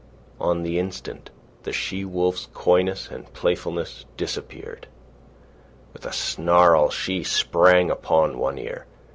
On the instant, the she wolf's coyness and playfulness disappeared. With a snarl she sprang upon One Ear.